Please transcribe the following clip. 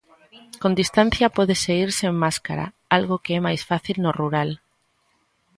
Con distancia pódese ir sen máscara, algo que é máis fácil no rural.